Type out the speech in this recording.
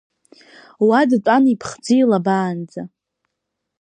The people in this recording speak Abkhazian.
Уа дтәан иԥхӡы илабаанӡа.